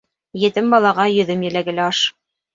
Етем балаға йөҙөм еләге лә аш.